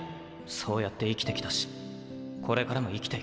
そうやって生きてきたしこれからも生きていく。